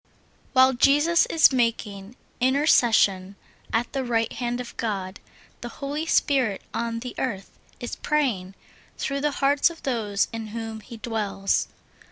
WHILE Jesus is making intercession at the right hand of God, the Holy Spirit on the earth is praying through the hearts of those in whom He dwells.